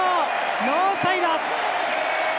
ノーサイド！